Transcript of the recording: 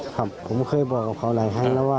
ครับผมเคยบอกกับเขาหลายครั้งแล้วว่า